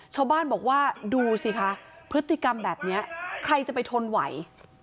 ชาวบ้านบอกว่าดูสิคะพฤติกรรมแบบนี้ใครจะไปทนไหว